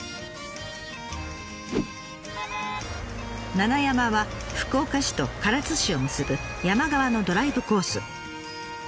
七山は福岡市と唐津市を結ぶ山側のドライブコース。